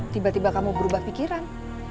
tiba tiba kamu berubah pikiran